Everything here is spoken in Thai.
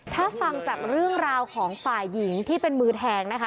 ถ้าฟังจากเรื่องราวของฝ่ายหญิงที่เป็นมือแทงนะคะ